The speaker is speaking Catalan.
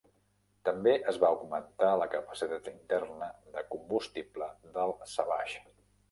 També es va augmentar la capacitat interna de combustible del Savage.